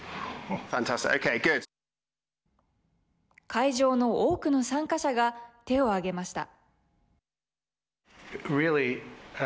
会場の多くの参加者が手を挙げました。